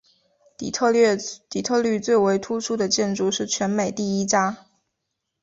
底特律最为突出的建筑是全美第一家。